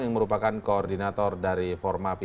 yang merupakan koordinator dari forma v